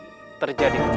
apa yang ada di dalamnya